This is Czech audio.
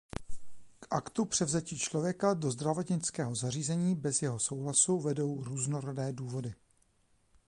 K aktu převzetí člověka do zdravotnického zařízení bez jeho souhlasu vedou různorodé důvody.